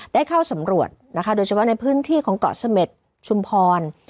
ได้เข้าสำรวจนะคะโดยเฉพาะในพื้นที่ของเกาะเสม็ดชุมพร